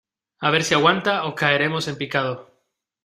a ver si aguanta, o caeremos en picado.